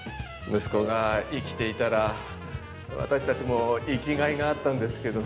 「息子が生きていたら私たちも生きがいがあったんですけど」